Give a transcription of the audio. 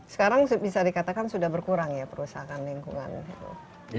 sekarang bisa dikatakan sudah berkurang ya perusahaan lingkungan